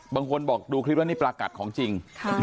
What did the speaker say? บางคนบอกดูคลิปว่านี่ปลากัดของจริง